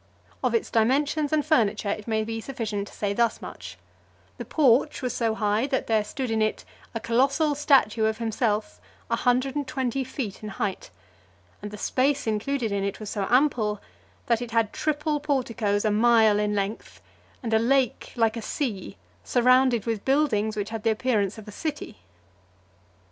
Of its dimensions and furniture, it may be sufficient to say thus much: the porch was so high that there stood in it a colossal statue of himself a hundred and twenty feet in height; and the space included in it was so ample, that it had triple porticos a mile in length, and a lake like a sea, surrounded with buildings which had the appearance of a city.